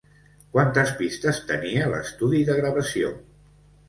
Quantes pistes tenia l'estudi de gravació?